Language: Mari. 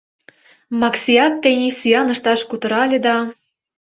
Максиат тений сӱан ышташ кутыра ыле да...